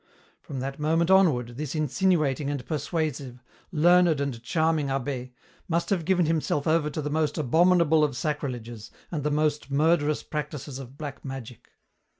From that moment onward, this insinuating and persuasive, learned and charming abbé, must have given himself over to the most abominable of sacrileges and the most murderous practices of black magic.